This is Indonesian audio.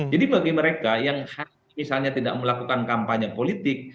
jadi bagi mereka yang misalnya tidak melakukan kampanye politik